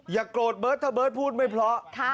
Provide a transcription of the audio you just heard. โกรธเบิร์ตถ้าเบิร์ตพูดไม่เพราะ